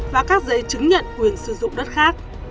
và các giấy chứng nhận quyền sử dụng đất khác